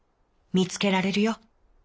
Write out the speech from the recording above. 「みつけられるよ。